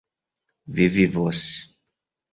Vi vivos.